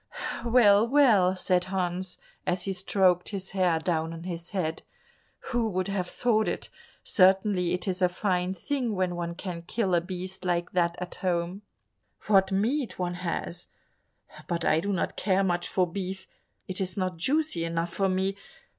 "Well, well," said Hans, as he stroked his hair down on his head, "who would have thought it? Certainly it is a fine thing when one can kill a beast like that at home; what meat one has! But I do not care much for beef, it is not juicy enough for me.